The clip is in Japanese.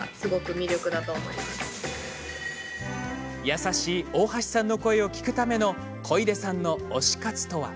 優しい大橋さんの声を聞くための小出さんの推し活とは。